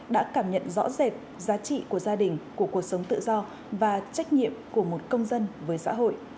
đã cảm nhận rõ rệt giá trị của gia đình của cuộc sống tự do và trách nhiệm của một công dân với xã hội